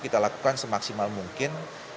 kita lakukan semaksimal mungkin